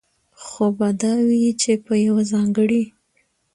خو به دا وي، چې په يوه ځانګړي